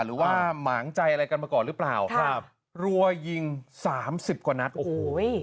หรือว่าหมางใจอะไรกันมาก่อนหรือเปล่าครับรัวยิงสามสิบกว่านัดโอ้โห